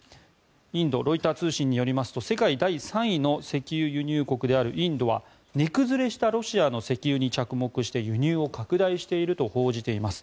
インド、ロイター通信によりますと世界第３位の石油輸入国であるインドは値崩れしたロシアの石油に着目して輸入を拡大していると報じています。